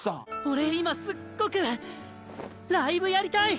俺今すっごくライブやりたい！